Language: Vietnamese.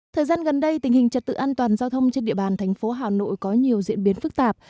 thời gian gần đây tình hình trật tự an toàn giao thông trên địa bàn thành phố hà nội có nhiều diễn biến phức tạp